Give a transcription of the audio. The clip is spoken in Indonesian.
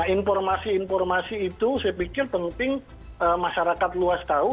informasi informasi itu saya pikir penting masyarakat luas tahu